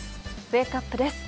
ウェークアップです。